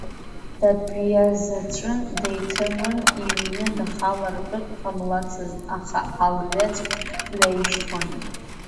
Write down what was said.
Дабиԥазаҵәын, деҭымын, иҩны дахаларатәы дҟамлацызт, аха алҩаҵә ҩаишьҭуан.